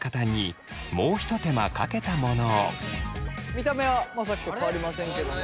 見た目はまあさっきと変わりませんけども。